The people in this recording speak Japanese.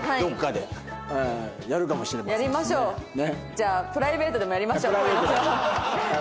じゃあプライベートでもやりましょう恋のお世話。